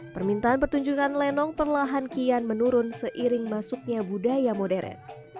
permintaan pertunjukan lenong perlahan kian menurun seiring masuknya budaya modern